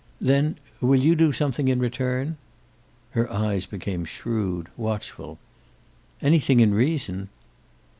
"Then will you do something in return?" Her eyes became shrewd, watchful. "Anything in reason."